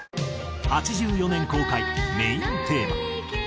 ８４年公開『メイン・テーマ』。